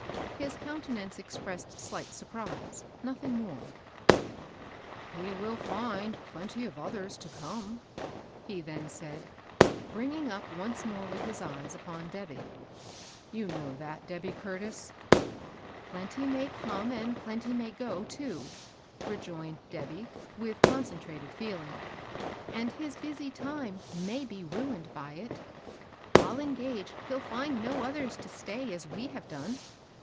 His countenance expressed slight surprise, nothing more. " He will find plenty of others to come," he then said, bringing up once more with his eyes upon Debby ;" you know that, Debby Curtis." THE "STRIKE." 165 ,Plenty may come and plenty may go, too," rejoined Debby, with concentrated feeling, " and his busy time may be rained by it. I'll engage he'll find no others to stay as we have done.